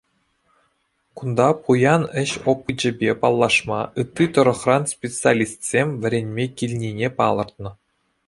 Кунта пуян ӗҫ опычӗпе паллашма ытти тӑрӑхран специалистсем вӗренме килнине палӑртнӑ.